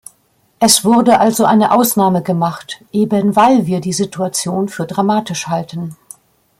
Es wurde also eine Ausnahme gemacht, eben weil wir die Situation für dramatisch halten.